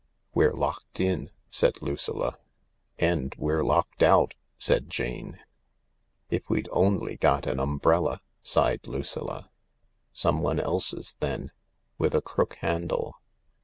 "We're locked in," said Lucilla. " And we're locked out," said Jane. " If we'd only got an umbrella ! "sighed Lucilla. " Someone else's, then, with a crook handle.